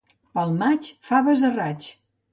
Pel maig, faves a raig.